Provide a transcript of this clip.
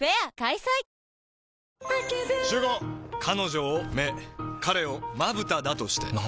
彼女を目彼をまぶただとして。